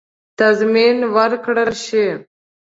تضمین ورکړه شي.